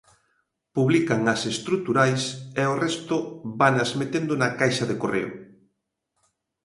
Publican as estruturais e o resto vanas metendo na caixa de correo.